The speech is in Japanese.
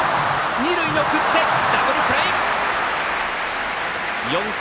二塁に送ってダブルプレー！